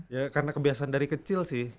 ya karena kebiasaan dari kecil sih